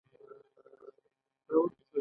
دوی به د خپلو هنرونو په مرسته خلک خندول.